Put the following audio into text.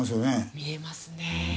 見えますね。